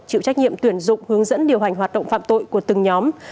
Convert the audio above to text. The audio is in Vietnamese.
chịu trách nhiệm tuyển dụng hướng dẫn điều hành hoạt động phạm tội của từng nhóm